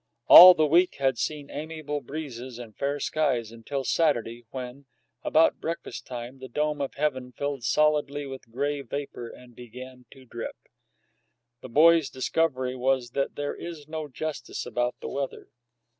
All the week had seen amiable breezes and fair skies until Saturday, when, about breakfast time, the dome of heaven filled solidly with gray vapor and began to drip. The boys' discovery was that there is no justice about the weather.